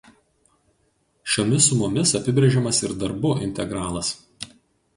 Šiomis sumomis apibrėžiamas ir Darbu integralas.